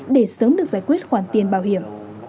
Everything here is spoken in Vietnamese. để sớm được giải quyết khoản tiền bảo hiểm